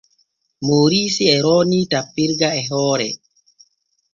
Mooriisi e roonii tappirga e hoore.